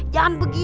jangan begitu dong